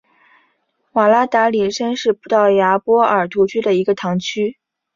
瓦拉达里什是葡萄牙波尔图区的一个堂区。